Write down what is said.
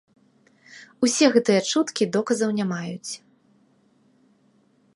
Усе гэтыя чуткі доказаў не маюць.